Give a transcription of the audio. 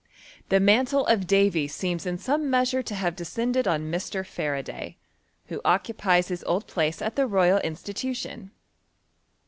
The mantle of Davy seems in some measure to have descended on Mr. Faraday, who occupies his old place at the Royal Institution.